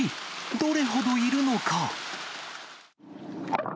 どれほどいるのか。